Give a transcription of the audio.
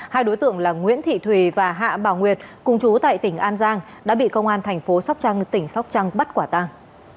hai đối tượng là nguyễn thị thùy và hạ bảo nguyệt cùng chú tại tỉnh an giang đã bị công an thành phố sóc trăng tỉnh sóc trăng bắt quả tàng